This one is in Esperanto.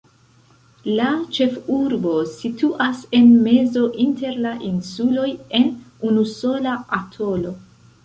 La ĉefurbo situas en mezo inter la insuloj, en unusola atolo.